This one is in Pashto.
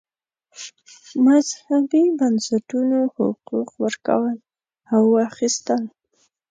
مذهبي بنسټونو حقوق ورکول او اخیستل.